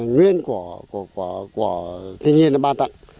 nguyên của thiên nhiên ở ba tạng